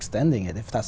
tỉnh bình nhất